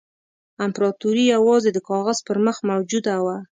امپراطوري یوازې د کاغذ پر مخ موجوده وه.